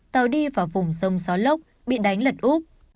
tàu đi vào vùng sông gió lốc bị đánh lật úp